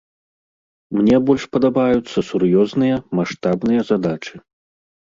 Мне больш падабаюцца сур'ёзныя, маштабныя задачы.